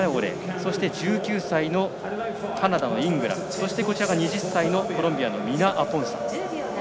そして、１９歳のカナダの選手そして２０歳のコロンビアのミナアポンサ。